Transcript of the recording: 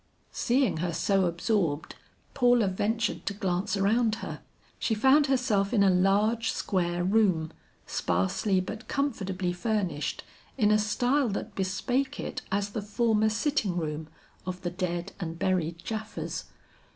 Seeing her so absorbed, Paula ventured to glance around her. She found herself in a large square room sparsely but comfortably furnished in a style that bespake it as the former sitting room of the dead and buried Japhas.